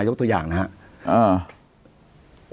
ยกตัวอย่างนะครับ